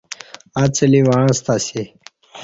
اڅلی وعݩستہ اسی۔